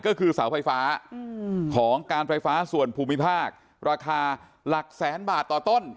ก็คือเสาไฟฟ้าของการไฟฟ้าส่วนภูมิภาคราคาหลักแสนบาทต่อต้น